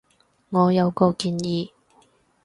我有個建議